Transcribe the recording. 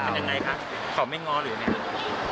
จริงเป็นยังไงคะเขาไม่ง้อหรืออย่างนี้